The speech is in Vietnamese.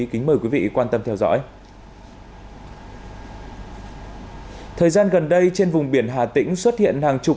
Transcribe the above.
kính mời quý vị quan tâm theo dõi ở thời gian gần đây trên vùng biển hà tĩnh xuất hiện hàng chục